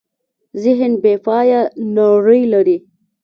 ذهن بېپایه نړۍ لري.